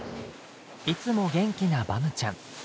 いつも元気なバムちゃん。